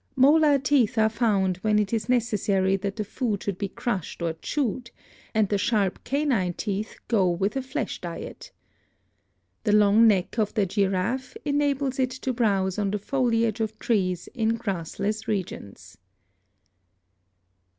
Molar teeth are found when it is nee 268 BIOLOGY essary that the food should be crushed or chewed, and the sharp canine teeth go with a flesh diet. The long neck of the giraffe enables it to browse on the foliage of trees in grassless regions.